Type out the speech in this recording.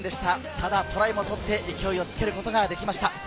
ただトライを取って勢いをつけることができました。